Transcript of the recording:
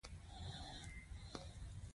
دا په کور کې نه پاتېږي چېرته ځو.